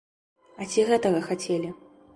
А ці гэтага хацелі?